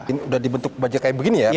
ini sudah dibentuk baja kayak begini ya